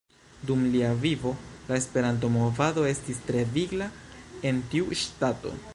Dum lia vivo la Esperanto-movado estis tre vigla en tiu ŝtato.